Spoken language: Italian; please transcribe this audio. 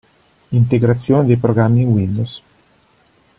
Integrazione dei programmi in Windows.